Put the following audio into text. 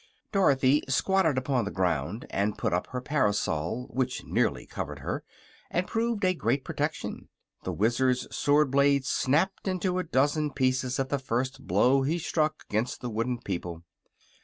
Dorothy squatted upon the ground and put up her parasol, which nearly covered her and proved a great protection. The Wizard's sword blade snapped into a dozen pieces at the first blow he struck against the wooden people.